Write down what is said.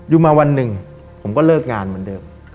อยู่มาวันหนึ่งผมก็เลิกงานเหมือนเดิม